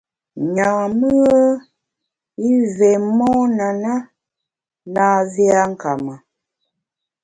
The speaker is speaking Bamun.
Nyam-ùe i vé mon a na, na vé a nka ma.